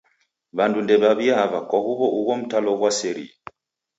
W'andu ndew'aw'iava kwa huw'o ugho mtalo ghwaserie.